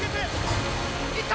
いった！